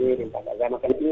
minta agama kenting